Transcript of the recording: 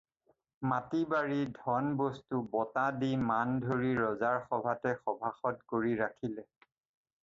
মাটি-বাৰী, ধন-বস্তু, বঁটা দি মান ধৰি ৰজাৰ সভাতে সভাসদ কৰি ৰাখিলে।